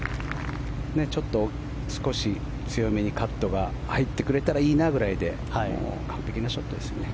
ちょっと少し強めにカットが入ってくれたらいいなぐらいで完璧なショットですよね。